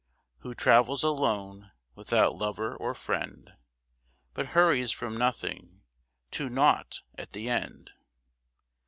Who travels alone without lover or friend But hurries from nothing, to naught at the end.